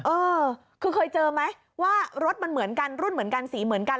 เออคือเคยเจอไหมว่ารถมันเหมือนกันรุ่นเหมือนกันสีเหมือนกัน